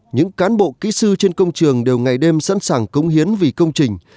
những cán bộ kỹ sư trên công trường đều ngày đêm sẵn sàng cống hiến vì công trình